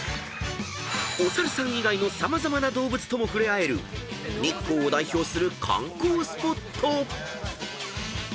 ［お猿さん以外の様々な動物とも触れ合える日光を代表する観光スポット］